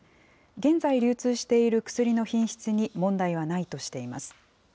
現在流通している薬の品質に問題はないとしています。